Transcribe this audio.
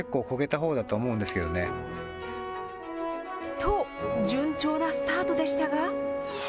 と、順調なスタートでしたが。